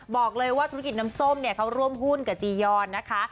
บอกเลยว่าธุรกิจน้ำส้มเนี่ยเขาร่วมหุ้นกับจียอนนะคะ